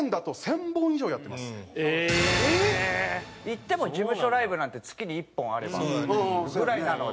いっても事務所ライブなんて月に１本あればぐらいなので。